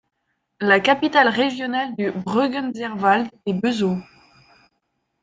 La capitale régionale du Bregenzerwald est Bezau.